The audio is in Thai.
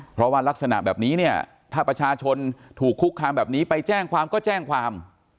เพราะว่ารักษณะแบบนี้เนี่ยถ้าประชาชนถูกคุกคามแบบนี้ไปแจ้งความก็แจ้งความ